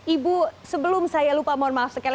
ibu sebelum saya lupa mohon maaf sekali